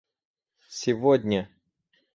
сегодня